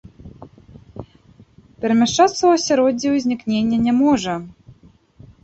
Перамяшчацца ў асяроддзі ўзнікнення не можа.